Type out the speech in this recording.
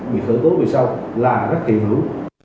bị khởi tố vì sao là rất tiện hữu